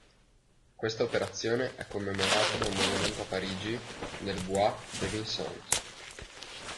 Questa operazione è commemorata da un monumento a Parigi nel Bois de Vincennes.